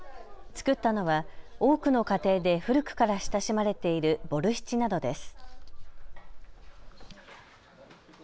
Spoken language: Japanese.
作ったのは多くの家庭で古くから親しまれているボルシチなどです。